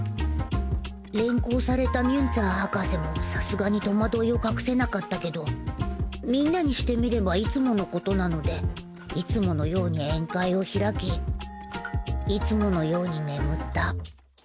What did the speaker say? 連行されたミュンツァー博士もさすがに戸惑いを隠せなかったけどみんなにしてみればいつものことなのでいつものように宴会を開きいつものように眠った。